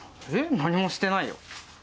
何もしてないよ。